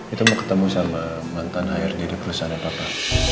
itu mau ketemu sama mantan air jadi perusahaan apa apa